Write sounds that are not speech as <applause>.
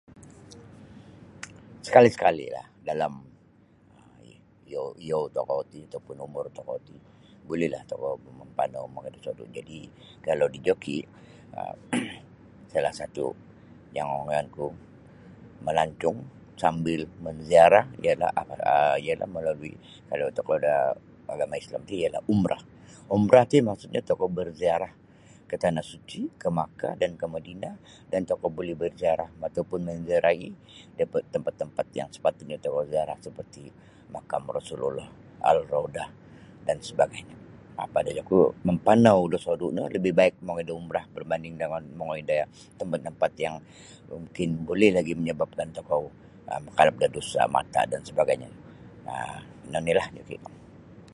Skali skali lah dalam um iyo-iyou tokou ti ataupun umur tokou ti bulilah tokou mampanau mongoi da sodu jadi kalau di joki <coughs> salah satu yang ongoiyon ku malancung sambil menziarah ialah <unintelligible> iyo no malalui kalau tokou da agama islam ti ialah Umrah umrah ti maksudnya tokou berziarah ka Tanah Suci ka Makkah dan ka Madina dan tokou buli berziarah ataupun menziarai da tampat-tampat yang sepatutnya tokou ziarah seperti makam Rasullallah, Ar Raudhah dan sebagainya um pada oku mampanau da sodu no labi baik mongoi da umrah barbanding dangan mongoi da tempat-tempat yang mungkin buli lagi menyebabakan tokou mangalap da dusa mata dan sebagainya um ino ni no joki.